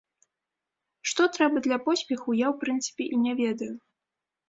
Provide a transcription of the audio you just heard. Што трэба для поспеху, я, у прынцыпе, і не ведаю.